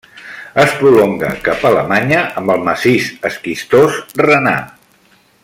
Es prolonga cap a Alemanya amb el Massís Esquistós Renà.